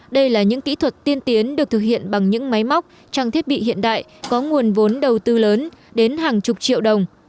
đây là những kỹ thuật tiên tiến được thực hiện bằng những máy móc trang thiết bị hiện đại có nguồn vốn đầu tư lớn đến hàng chục triệu đồng